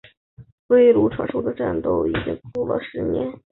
微型传说的战斗已经过了十年。